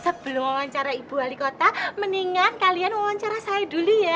sebelum wawancara ibu wali kota mendingan kalian wawancara saya dulu ya